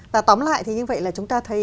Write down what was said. và tóm lại thì như vậy là chúng ta thấy